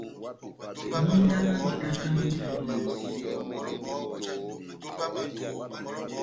Minga má mekakambo na biosi.